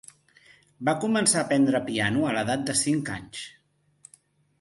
Va començar a aprendre piano a l'edat de cinc anys.